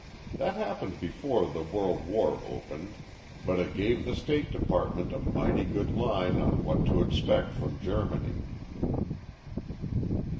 That happened before the World War opened, but it gave the State Department a mighty good line on what to expect from Germany."